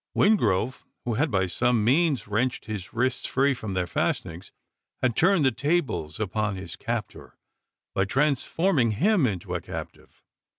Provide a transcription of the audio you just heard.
Wingrove, who had by some means wrenched his wrists free from their fastenings, had turned the tables upon his captor, by transforming him into a captive!